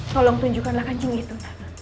tolong tunjukkanlah kancing itu